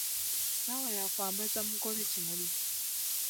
Ssaawa ya kwambaza mugole kimuli.